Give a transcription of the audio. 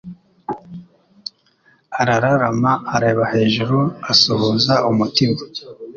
arararama areba hejuru, asuhuza umutima